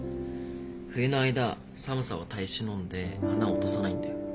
冬の間寒さを耐え忍んで花を落とさないんだよ。